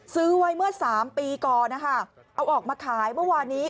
ซื้อไว้เมื่อ๓ปีก่อนนะคะเอาออกมาขายเมื่อวานนี้